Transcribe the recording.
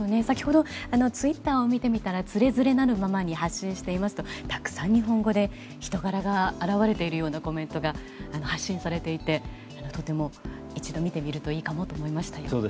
先ほどツイッターを見てみたら徒然なるままに発信していますとたくさん日本語で、人柄が表れているようなコメントが発信されていてとても一度見てみるといいかもと思いました。